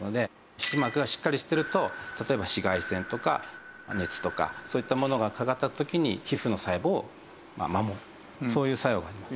皮脂膜がしっかりしてると例えば紫外線とか熱とかそういったものがかかった時に皮膚の細胞を守るそういう作用があります。